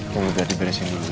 kamu beresin ini dulu ya